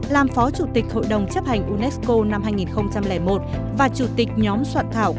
làm phó chủ tịch hội đồng chấp hành unesco năm hai nghìn một và chủ tịch nhóm soạn thảo